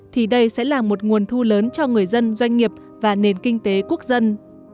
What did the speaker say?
thì đây sẽ là một nguồn thu lớn cho người dân doanh nghiệp và nền kinh tế quốc dân